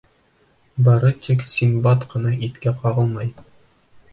Бары тик Синдбад ҡына иткә ҡағылмай.